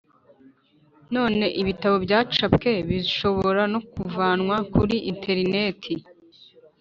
Nanone ibitabo byacapwe bishobora no kuvanwa kuri interineti